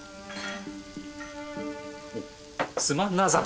すまんな悟。